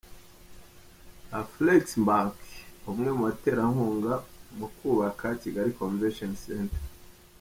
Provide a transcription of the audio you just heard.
Afreximbank, umwe mu baterankunga mu kubaka Kigali Convention Centre.